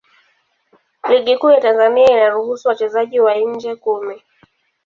Ligi Kuu ya Tanzania inaruhusu wachezaji wa nje kumi.